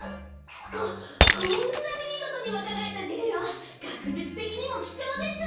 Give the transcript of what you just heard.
ここんなにみごとにわかがえったじれいはがくじゅつてきにもきちょうでしょう。